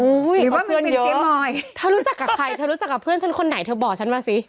หรือว่าวินเจ๊มอยเธอรู้จักกับใครเธอรู้จักกับเพื่อนฉันคนไหนเธอบอกฉันมาสิ